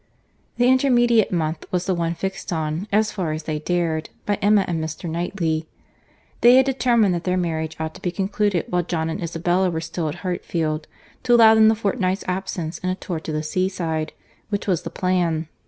The intermediate month was the one fixed on, as far as they dared, by Emma and Mr. Knightley.—They had determined that their marriage ought to be concluded while John and Isabella were still at Hartfield, to allow them the fortnight's absence in a tour to the seaside, which was the plan.